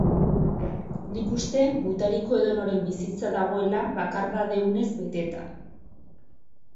Nik uste gutariko edonoren bizitza dagoela bakardade unez beteta.